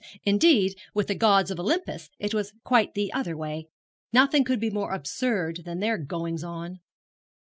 Indeed, with the gods of Olympus it was quite the other way. Nothing could be more absurd than their goings on.'